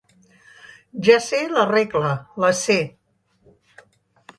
Ja sé la regla, la sé!